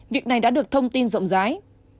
việc này đã được thông tin rộng rái